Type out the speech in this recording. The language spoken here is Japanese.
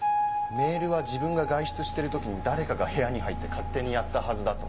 メールは自分が外出してる時に誰かが部屋に入って勝手にやったはずだと。